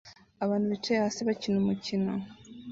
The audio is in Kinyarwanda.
Abantu bicaye hasi bakina umukino